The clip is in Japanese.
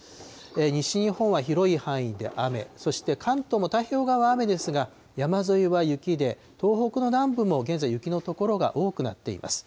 西日本は広い範囲で雨、そして関東も太平洋側は雨ですが、山沿いは雪で、東北の南部も現在、雪の所が多くなっています。